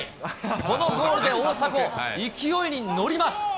このゴールで大迫、勢いに乗ります。